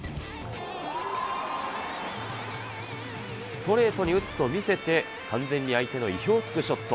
ストレートに打つと見せて、完全に相手の意表をつくショット。